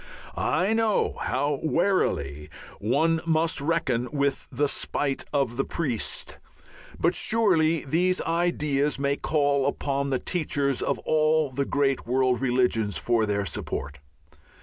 I know how warily one must reckon with the spite of the priest, but surely these ideas may call upon the teachers of all the great world religions for their support.